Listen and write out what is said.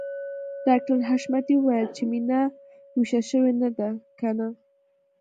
ډاکټر حشمتي وويل چې مينه ويښه شوې ده که نه